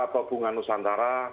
atau bunga nusantara